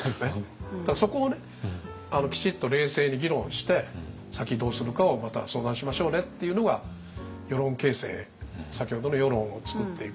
だからそこをねきちっと冷静に議論して先どうするかをまた相談しましょうねっていうのが輿論形成先ほどの輿論を作っていくプロセスだと思うんですよね。